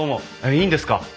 いいんですか？